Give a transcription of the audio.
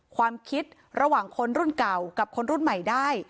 ความคิดระหว่างคนรุ่นเก่ากับคนรุ่นใหม่ได้